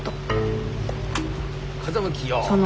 風向きよし。